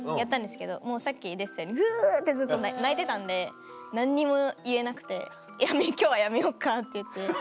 さっき出てたようにウってずっと泣いてたんで何にも言えなくて今日はやめよっかって言って。